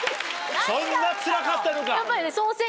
そんなつらかったのか。